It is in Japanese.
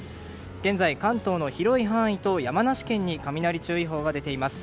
現在、関東の広い範囲と山梨県に雷注意報が出ています。